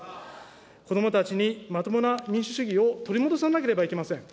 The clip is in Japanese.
子どもたちにまともな民主主義を取り戻さなければいけません。